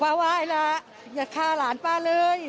ว่าไหว้แล้วอย่าฆ่าหลานป้าเลย